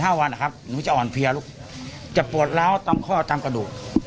คิดว่าตอนนี้หลุดแล้วผีไม่น่ามาเข้าแล้วเนาะ